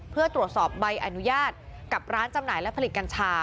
เพื่อตรวจสอบใบอนุญาตกับร้านจำหน่ายและผลิตกัญชา